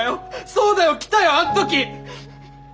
そうだよ来たよあん時！